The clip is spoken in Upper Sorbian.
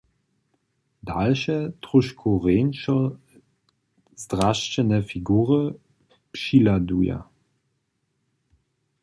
Dalše, tróšku rjeńšo zdrasćene figury přihladuja.